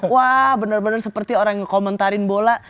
wah benar benar seperti orang yang komentarin bola